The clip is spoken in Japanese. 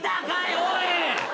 おい！